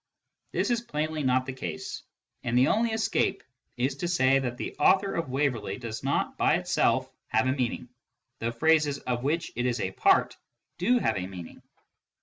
This is plainly not the case ; and the only escape is to say that " the author of Waverley " does not, by itself, have a meaning, though phrases of which it is part do have a meaning.